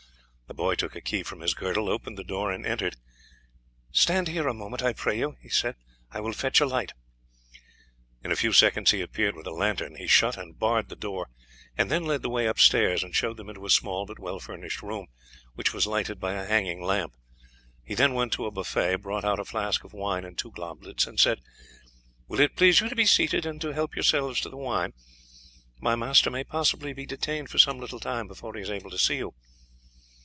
The boy took a key from his girdle, opened the door, and entered. "Stand here a moment, I pray you," he said; "I will fetch a light." In a few seconds he appeared with a lantern. He shut and barred the door, and then led the way upstairs and showed them into a small but well furnished room, which was lighted by a hanging lamp. He then went to a buffet, brought out a flask of wine and two goblets, and said: "Will it please you to be seated and to help yourselves to the wine; my master may possibly be detained for some little time before he is able to see you."